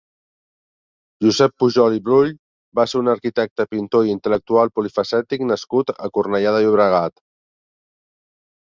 Josep Pujol i Brull va ser un arquitecte, pintor i intel·lectual polifacètic nascut a Cornellà de Llobregat.